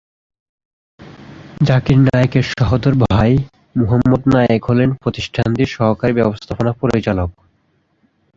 জাকির নায়েকের সহোদর ভাই মুহাম্মদ নায়েক হলেন প্রতিষ্ঠানটির সহকারী ব্যবস্থাপনা পরিচালক।